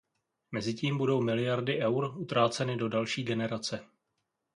Mezitím budou miliardy eur utráceny do další generace.